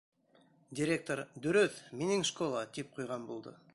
Директор, дөрөҫ, минең школа, тип ҡуйған булды.